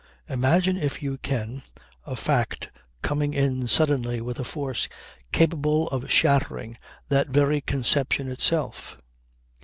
Imagine, if you can, a fact coming in suddenly with a force capable of shattering that very conception itself.